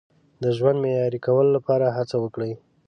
د ژوند معیاري کولو لپاره هڅه وکړئ.